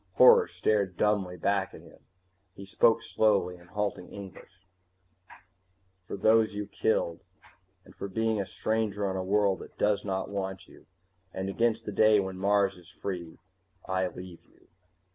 Horror stared dumbly back at him. He spoke slowly, in halting English: "For those you killed, and for being a stranger on a world that does not want you, and against the day when Mars is free, I leave you."